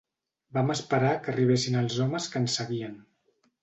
Vam esperar que arribessin els homes que ens seguien